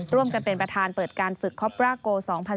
ร่วมกันเป็นประธานเปิดการฝึกคอปราโก๒๐๑๙